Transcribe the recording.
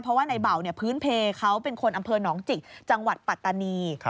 เพราะว่าในเบาพื้นเพลเขาเป็นคนอำเภอหนองจิกจังหวัดปัตตานี